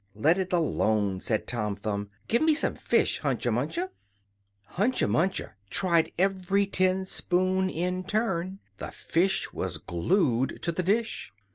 "Let it alone," said Tom Thumb; "give me some fish, Hunca Munca!" Hunca Munca tried every tin spoon in turn; the fish was glued to the dish.